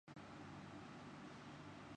اس کے بعد "شاندار"شکست سے دوچار ہونے والے بھائی